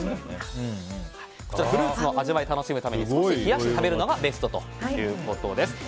フルーツの味わいを楽しむため少し冷やして食べるのがベストということです。